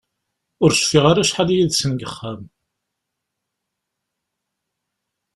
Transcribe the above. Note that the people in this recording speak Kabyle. Ur cfiɣ ara acḥal yid-sen deg uxxam.